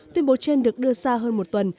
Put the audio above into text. tuyên bố trên được đưa ra hơn một tuần